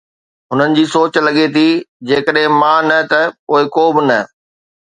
هنن جي سوچ لڳي ٿي، جيڪڏهن مان نه ته پوءِ ڪو به نه.